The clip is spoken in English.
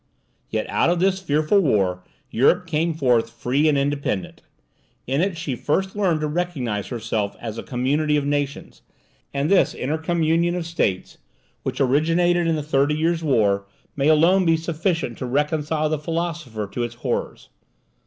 Yet out of this fearful war Europe came forth free and independent. In it she first learned to recognize herself as a community of nations; and this intercommunion of states, which originated in the thirty years' war, may alone be sufficient to reconcile the philosopher to its horrors.